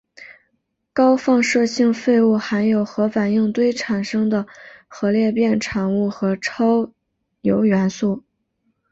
高放射性废物含有核反应堆产生的核裂变产物和超铀元素。